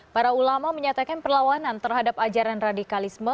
para ulama menyatakan perlawanan terhadap ajaran radikalisme